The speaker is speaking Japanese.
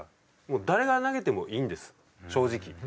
誰が投げてもいいんです正直。